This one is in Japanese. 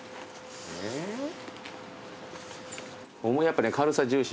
やっぱね。